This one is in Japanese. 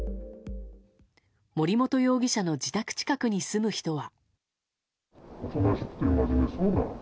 森本容疑者の自宅近くに住む人は。